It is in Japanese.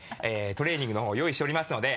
トレーニングの方を用意しておりますので。